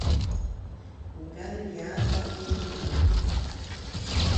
Ngàl yā àbam nə ngùl.